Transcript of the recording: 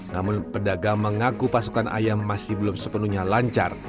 namun pedagang mengaku pasokan ayam masih belum sepenuhnya lancar